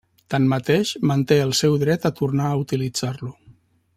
Tanmateix, manté el seu dret a tornar a utilitzar-lo.